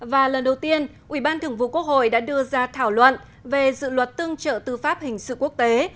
và lần đầu tiên ủy ban thường vụ quốc hội đã đưa ra thảo luận về dự luật tương trợ tư pháp hình sự quốc tế